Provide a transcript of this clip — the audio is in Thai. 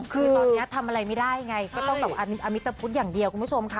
คือตอนนี้ทำอะไรไม่ได้ไงก็ต้องแบบอมิตพุทธอย่างเดียวคุณผู้ชมค่ะ